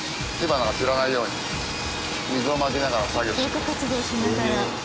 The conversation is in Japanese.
消火活動しながら。